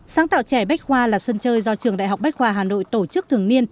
sáng tạo trẻ bách khoa là sân chơi do trường đại học bách khoa hà nội tổ chức thường niên